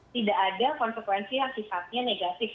tidak ada konsekuensi yang sifatnya negatif